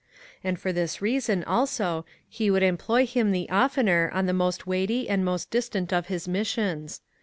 And for this reason also he would employ him the oftener on the most weighty and most distant of his missions.